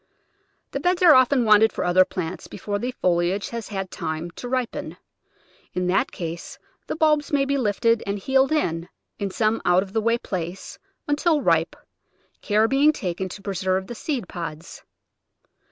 The beds are often wanted for other plants before the foliage has had time to ripen. In that case the bulbs may be lifted and heeled in, in some out of the way place, until ripe, care being taken to preserve die seed pods.